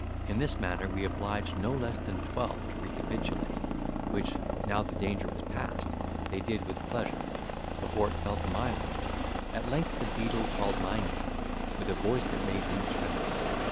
In this manner we obliged no less than twelve to recapitulate, which, now the danger was past, they did with pleasure, before it fell to my lot: at length the beadle called my name, with a voice that made me tremble.